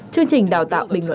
chương trình đào tạo bình luận